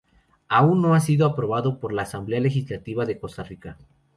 Aún no ha sido aprobado por la Asamblea Legislativa de Costa Rica.